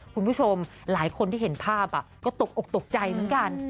คุณผู้ชมหลายคนที่เห็นภาพก็ตกอกตกใจเหมือนกัน